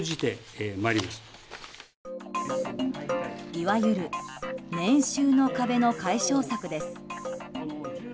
いわゆる年収の壁の解消策です。